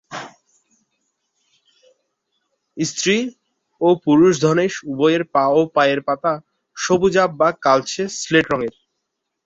স্ত্রী ও পুরুষ ধনেশ উভয়ের পা ও পায়ের পাতা সবুজাভ বা কালচে-স্লেট রঙের।